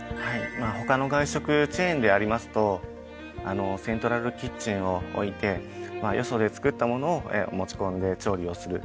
他の外食チェーンでありますとセントラルキッチンを置いてよそで作ったものを持ち込んで調理をする。